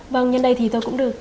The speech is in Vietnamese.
vâng nhân đây thì tôi cũng được